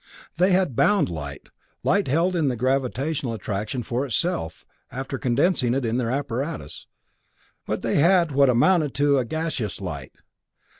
They had bound light, light held by the gravitational attraction for itself, after condensing it in their apparatus, but they had what amounted to a gas gaseous light.